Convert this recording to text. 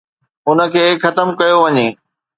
ان کي ختم ڪيو وڃي.